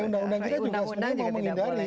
undang undang kita juga sebenarnya mau menghindari